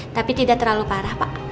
tapi tidak terlalu parah pak